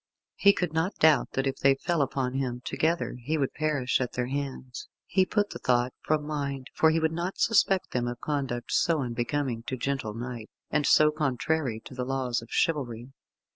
He could not doubt that if they fell upon him together he would perish at their hands. He put the thought from mind, for he would not suspect them of conduct so unbecoming to gentle knight, and so contrary to the laws of chivalry.